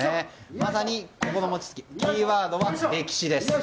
まさに、ここの餅つきキーワードは歴史です。